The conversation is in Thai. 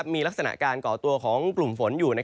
มีลักษณะการก่อตัวของกลุ่มฝนอยู่